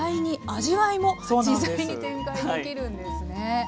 味わいも自在に展開できるんですね。